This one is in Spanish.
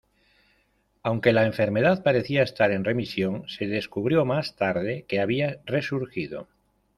Aunque la enfermedad parecía estar en remisión, se descubrió más tarde que había resurgido.